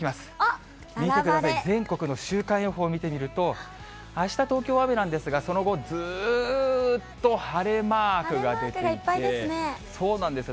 見てください、全国の週間予報、見てみると、あした、東京は雨なんですが、その後、晴れマークがいっぱいですね。